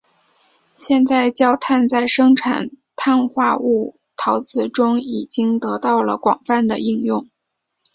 现在焦炭在生产碳化物陶瓷中已经得到了广泛的应用。